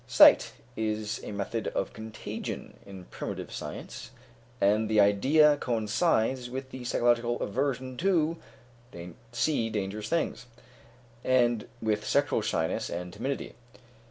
Sight is a method of contagion in primitive science, and the idea coincides with the psychological aversion to see dangerous things, and with sexual shyness and timidity.